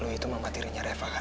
itu mama tirinya reva kan